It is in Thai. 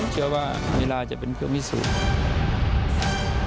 เชื่อว่าเวลาจะเป็นเวลามิสูร